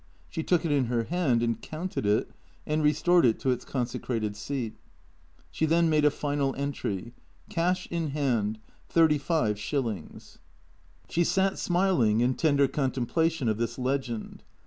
She took it in her hand and counted it and restored it to its consecrated seat. She then made a final entry :" Cash in Hand, thirty five shil lings." THE CREATORS 155 She sat smiling in tender contemplation of this legend.